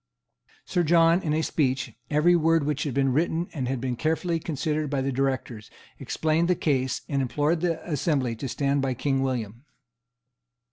Sir John, in a speech, every word of which had been written and had been carefully considered by the Directors, explained the case, and implored the assembly to stand by King William.